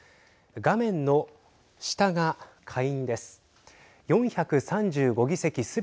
画面の下が下院です。